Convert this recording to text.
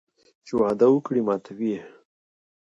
چې وعده وکړي ماتوي یې